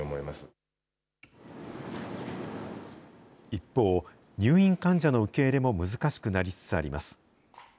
一方、入院患者の受け入れも難しくなりつつあります。